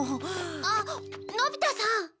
あっのび太さん。